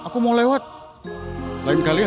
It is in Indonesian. kabel apa lu